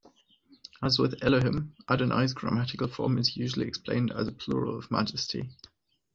As with Elohim, Adonai's grammatical form is usually explained as a plural of majesty.